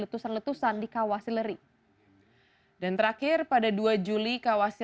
kemudian pebunuhan jasa biskursum di kewasan